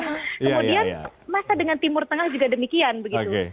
nah kemudian masa dengan timur tengah juga demikian begitu